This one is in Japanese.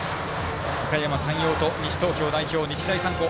おかやま山陽と西東京代表、日大三高。